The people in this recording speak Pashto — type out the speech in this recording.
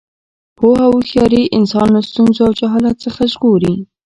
پوهه او هوښیاري انسان له ستونزو او جهالت څخه ژغوري.